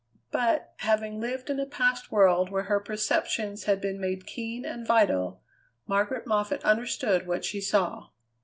But, having lived in a past world where her perceptions had been made keen and vital, Margaret Moffatt understood what she saw.